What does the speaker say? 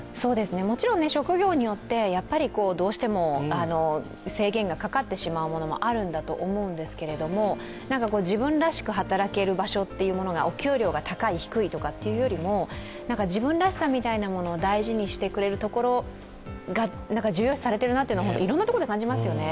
もちろん職業によってどうしても制限がかかってしまうものもあるんだと思うんですけども自分らしく働ける場所というのがお給料が高い低いというよりも自分らしさみたいなものを大事にしてくれるところが重要視されているなというのはいろんなところで感じますよね。